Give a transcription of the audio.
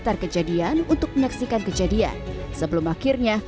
farel tidak sendiri di ruangan sakura ini